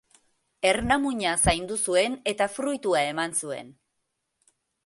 Ernamuina zaindu zuen eta fruitua eman zuen.